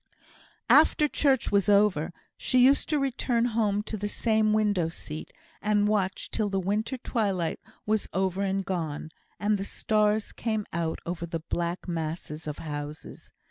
After church was over, she used to return home to the same window seat, and watch till the winter twilight was over and gone, and the stars came out over the black masses of houses.